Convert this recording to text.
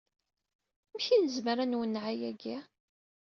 Amek i nezmer ad nwenneɛ ayagi?